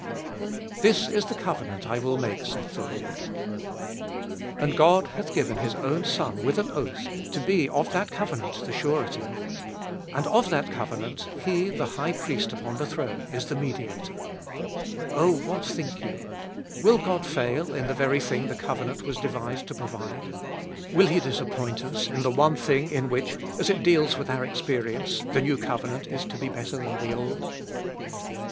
This is the covenant I will make, saith the Lord. And God hath given His own Son with an oath to be of that coven ant the surety ! And of that covenant He, the High Priest upon the throne, is the Mediator ! Oh, what think you ? Will God fail in the very thing the covenant was devised to provide ? Will He disappoint us in the one thing in which, as it deals with our experience, the new covenant is to be better than the old